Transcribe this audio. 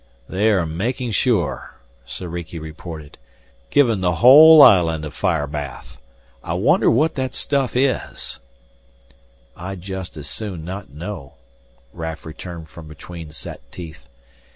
"They are making sure," Soriki reported. "Giving the whole island a fire bath. I wonder what that stuff is " "I'd just as soon not know," Raf returned from between set teeth.